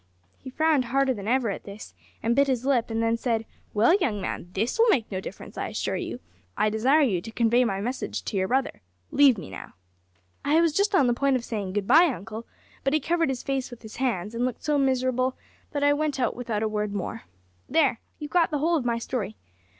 He frowned harder than ever at this, and bit his lip, and then said, `Well, young man, this will make no difference, I assure you. I desire you to convey my message to your brother. Leave me now.' I was just on the point of saying `Good bye, uncle,' but he covered his face with his hands, and looked so miserable, that I went out without a word more. There, you've got the whole of my story.